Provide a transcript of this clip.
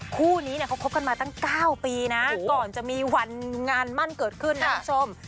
คู่นี้เนี่ยเขาคบกันมาตั้ง๙ปีนะก่อนจะมีวันงานมั่นเกิดขึ้นนะคุณผู้ชม